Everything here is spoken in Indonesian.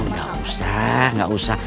nggak usah nggak usah